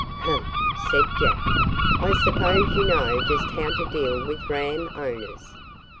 "Humph!" said Jack. "I suppose you know just how to deal with ram owners."